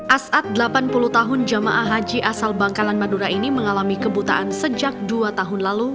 ⁇ saat ⁇ delapan puluh tahun jamaah haji asal bangkalan madura ini mengalami kebutaan sejak dua tahun lalu